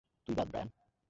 তুই বাদ, ব্রায়ান!